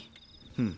うん。